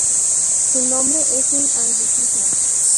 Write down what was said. Su nombre es un anglicismo.